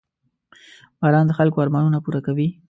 • باران د خلکو ارمانونه پوره کوي.